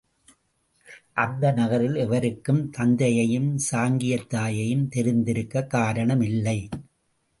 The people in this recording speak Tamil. அந்த நகரில் எவருக்கும் தத்தையையும் சாங்கியத் தாயையும் தெரிந்திருக்கக் காரணமில்லை.